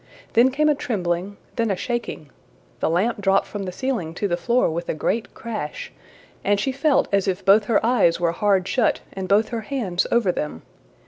Then came a trembling, then a shaking; the lamp dropped from the ceiling to the floor with a great crash, and she felt as if both her eyes were hard shut and both her hands over them.